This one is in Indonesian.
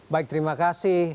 baik terima kasih